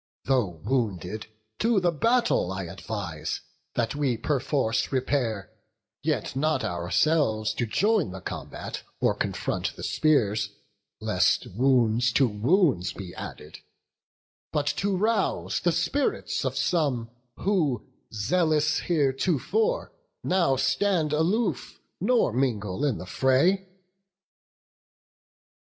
Though wounded, to the battle I advise That we perforce repair; yet not ourselves To join the combat, or confront the spears, Lest wounds to wounds be added; but to rouse The spirits of some, who, zealous heretofore, How stand aloof, nor mingle in the fray."